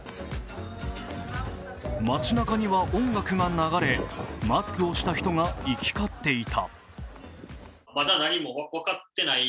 街なかには音楽が流れマスクをした人が行き交っていた。